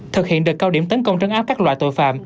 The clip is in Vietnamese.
thực hiện được cao điểm tấn công trấn áp các loại tội phạm